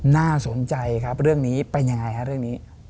น่าสนใจครับเรื่องนี้เป็นยังไงฮะเรื่องนี้